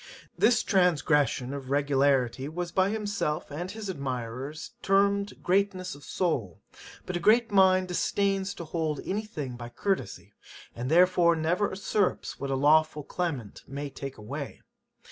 This transgression of regularity was by himself and his admirers termed greatness of soul; but a great mind disdains to hold any thing by courtesy, and therefore never usurps what a lawful claimant may take away.